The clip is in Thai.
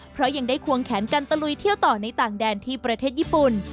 เพราะยังได้ควงแขนกันตะลุยเที่ยวต่อในต่างแดนที่ประเทศญี่ปุ่น